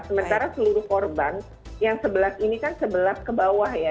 sementara seluruh korban yang sebelas ini kan sebelas ke bawah ya